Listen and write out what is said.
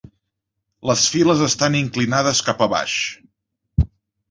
Les files estan inclinades cap a baix.